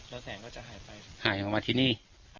แล้วแสงก็จะหายไปหายออกมาที่นี่